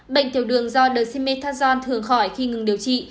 bệnh tiểu đường do dexamethasone thường khỏi khi ngừng điều trị